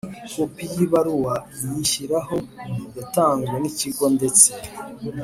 kopi y ibaruwa iyishyiraho yatanzwe n Ikigo ndetse